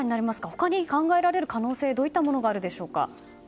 他に考えられる可能性どういったものがあるでしょうか。